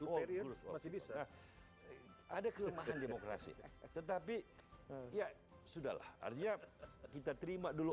all groups of people ada kelemahan demokrasi tetapi ya sudah lah artinya kita terima dulu